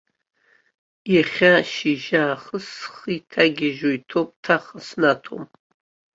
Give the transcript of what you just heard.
Иахьа ашьыжьаахыс схы иҭагьежьуа иҭоуп, ҭаха снаҭом.